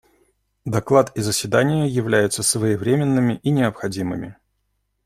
Доклад и заседание являются своевременными и необходимыми.